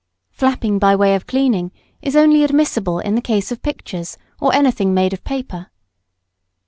Flapping by way of cleaning is only admissible in the case of pictures, or anything made of paper.